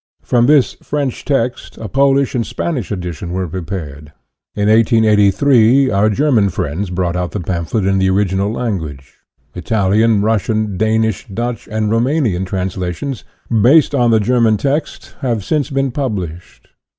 From this French text a Polish and a Spanish edition were prepared. In 1883, our German friends brought out the pamphlet in the original language. Ital ian, Russian, Danish, Dutch, and Roumanian translations, based upon the German text, have since been published.